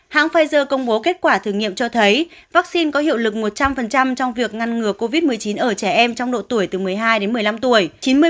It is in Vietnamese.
hãng pfizer công bố kết quả thử nghiệm cho thấy vaccine có hiệu lực một trăm linh trong việc ngăn ngừa covid một mươi chín ở trẻ em trong độ tuổi từ một mươi hai đến một mươi năm tuổi